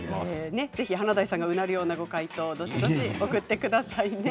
ぜひ華大さんがうなるようなご回答を送ってくださいね。